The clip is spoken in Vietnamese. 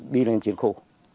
đi lên chiến khu